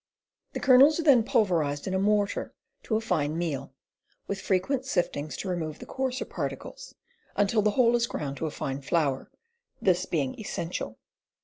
The kernels are then pulver ized in a mortar to a fine meal, with frequent siftings to remove the coarser particles, untU the whole is ground to a fine flour, this being essential.